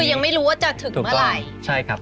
ก็คือยังไม่รู้ว่าจะถึงเมื่อไหร่